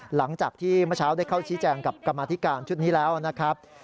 หลังจากที่เมื่อเช้าได้เข้าชี้แจงกับกรรมธิการชุดนี้แล้วนะครับ